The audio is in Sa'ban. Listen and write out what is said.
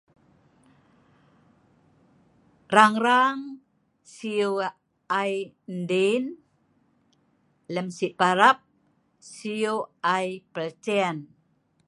Rang-rang siu ai ndin, lem si parab siu ai pelcen